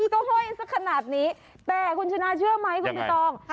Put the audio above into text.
ก็ห้อยสักขนาดนี้แต่คุณชนะเชื่อไหมคุณใบตอง